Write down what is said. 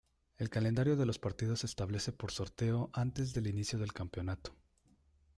El calendario de los partidos se establece por sorteo antes del inicio del campeonato.